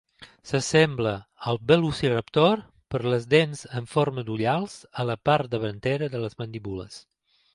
S'assembla al velociraptor per les dents en forma d'ullals a la part davantera de les mandíbules.